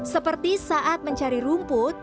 seperti saat mencari rumput